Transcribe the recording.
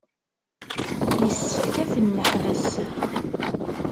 Yessefk ad ten-neḥbes.